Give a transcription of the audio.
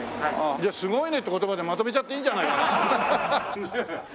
じゃあ「すごいね」って言葉でまとめちゃっていいんじゃないかな？